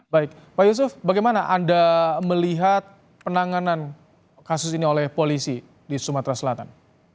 baik pak yusuf bagaimana anda melihat penanganan kasus ini oleh polisi di sumatera selatan